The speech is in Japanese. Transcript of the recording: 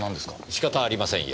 仕方ありませんよ。